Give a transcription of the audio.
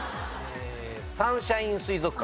サンシャイン水族館。